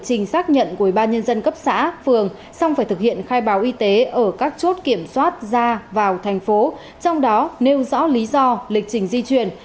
tính xác nhận của ubnd cấp xã phường xong phải thực hiện khai báo y tế ở các chốt kiểm soát ra vào thành phố trong đó nêu rõ lý do lịch trình di chuyển